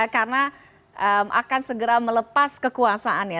karena akan segera melepas kekuasaannya